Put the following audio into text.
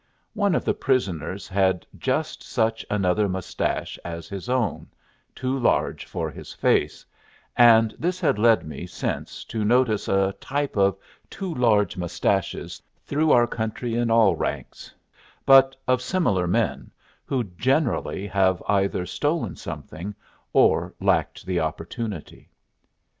One of the prisoners had just such another mustache as his own, too large for his face; and this had led me since to notice a type of too large mustaches through our country in all ranks, but of similar men, who generally have either stolen something or lacked the opportunity.